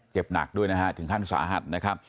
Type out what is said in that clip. เจ็บหนักด้วยนะฮะถึงขั้นสาหัสนะครับ